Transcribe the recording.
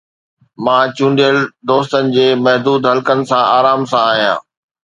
مان چونڊيل دوستن جي محدود حلقي سان آرام سان آهيان.